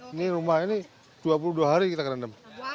ini rumah ini dua puluh dua hari kita kerendam